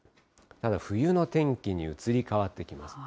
ただ冬の天気に移り変わっていきますね。